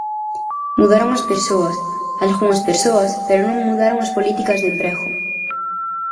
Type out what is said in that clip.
Mudaron as persoas, algunhas persoas, pero non mudaron as políticas de emprego.